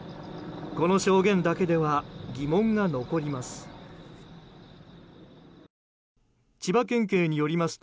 この証言だけでは疑問が残ります。